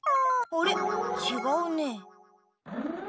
あれちがうね。